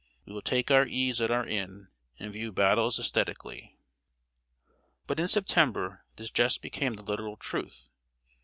We will take our ease at our inn, and view battles æsthetically." But in September, this jest became the literal truth.